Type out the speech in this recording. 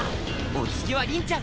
お次は凛ちゃん！